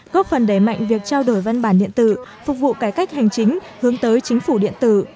góp phần đẩy mạnh việc trao đổi văn bản điện tử phục vụ cải cách hành chính hướng tới chính phủ điện tử